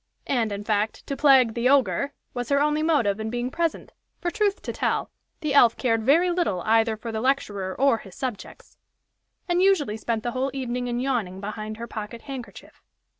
And, in fact, "to plague the Ogre" was her only motive in being present, for, truth to tell, the elf cared very little either for the lecturer or his subjects, and usually spent the whole evening in yawning behind her pocket handkerchief.